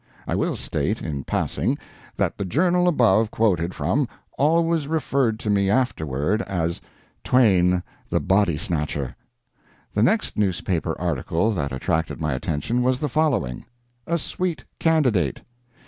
[I will state, in passing, that the journal above quoted from always referred to me afterward as "Twain, the Body Snatcher."] The next newspaper article that attracted my attention was the following: A SWEET CANDIDATE.